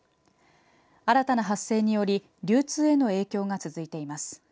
新たな発生により流通への影響が続いています。